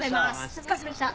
お疲れさまでした。